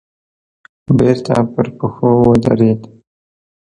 بېرته پر پښو ودرېد.